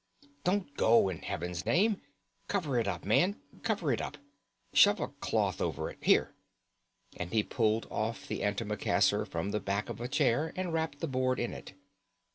"Don't go, in heaven's name. Cover it up, man, cover it up! Shove a cloth over it! Here!" and he pulled off the antimacassar from the back of a chair and wrapped the board in it.